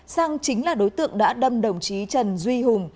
sang chính là đối tượng đã đâm đồng chí trần duy hùng